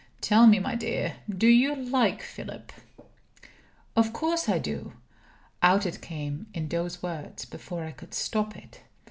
Tell me, my dear, do you like Philip?" "Of course I do!" Out it came in those words, before I could stop it.